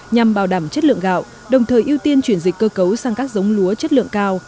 nhằm bảo đảm chất lượng gạo đồng thời ưu tiên chuyển dịch cơ cấu sang các giống lúa chất lượng cao